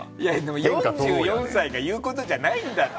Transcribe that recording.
でも４４歳が言うことじゃないんだって。